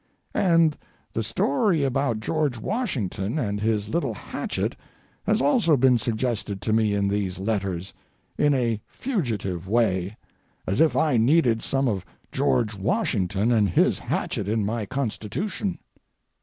And the story about George Washington and his little hatchet has also been suggested to me in these letters—in a fugitive way, as if I needed some of George Washington and his hatchet in my constitution.